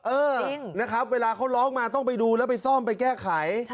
เออจริงนะครับเวลาเขาร้องมาต้องไปดูแล้วไปซ่อมไปแก้ไข